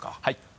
はい。